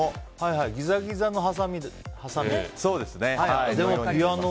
ギザギザのはさみ？